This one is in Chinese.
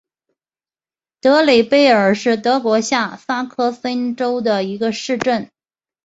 德雷贝尔是德国下萨克森州的一个市镇。